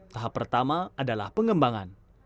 tahap pertama adalah pengembangan